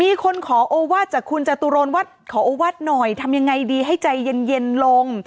มีคนขอโอวาสจากคุณจตุรนว่าขอโอวาสหน่อยทำยังไงดีให้ใจเย็นลง